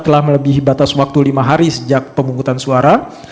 telah melebihi batas waktu lima hari sejak pemungutan suara